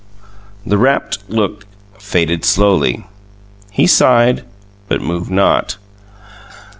The rapt look faded slowly. He sighed, but moved not.